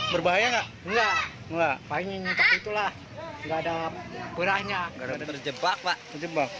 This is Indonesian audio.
berbahaya enggak enggak enggak enggak enggak ada berahnya terjebak terjebak